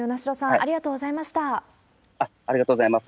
ありがとうございます。